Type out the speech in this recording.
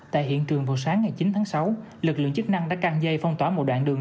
tại hiện trường vào sáng ngày chín tháng sáu lực lượng chức năng đã căng dây phong tỏa một đoạn đường